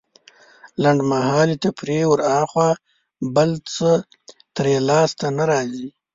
لنډمهالې تفريح وراخوا بل څه ترې لاسته نه راځي.